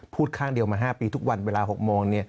ข้างเดียวมา๕ปีทุกวันเวลา๖โมง